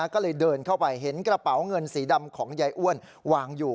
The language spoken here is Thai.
ก็เลยเดินเข้าไปเห็นกระเป๋าเงินสีดำของยายอ้วนวางอยู่